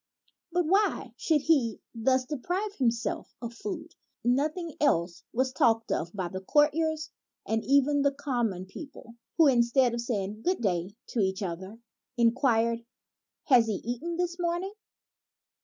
But why should he thus deprive himself of food ? Nothing else was talked of by the courtiers, and even by the common people, who, instead of saying " Good day " to each other, in quired, " Has he eaten this morning?